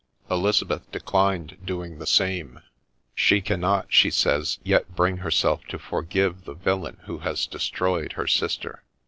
Elizabeth declined doing the same : she cannot, she says, yet bring herself to forgive the villain who has destroyed her sister.